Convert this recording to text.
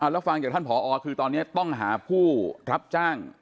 แล้วฟังจากท่านผอคือตอนนี้ต้องหาผู้รับจ้าง